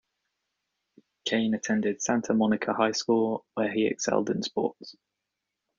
Cain attended Santa Monica High School, where he excelled in sports.